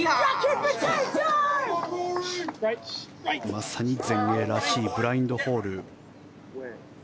まさに全英らしいブラインドホール。